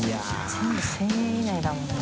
全部１０００円以内だもんな。